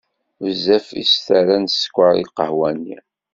Bezzaf i s-terra n sskeṛ i lqahwa-nni.